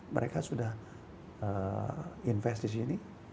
mereka sudah invest di sini